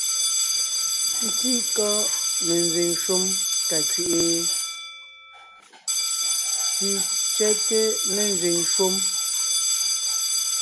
Ńtíí kɔ́ menzẅìŋ shúm ka kẅí’i ? Pì tsẅɛ́té ménzẅìŋ shúm.